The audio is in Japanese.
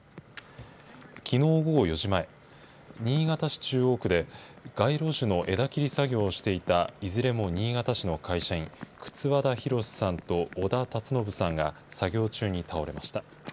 きのう午後４時前、新潟市中央区で、街路樹の枝切り作業をしていたいずれも新潟市の会社員、轡田浩さんと小田辰信さんが、作業中に倒れました。